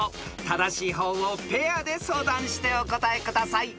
［正しい方をペアで相談してお答えください］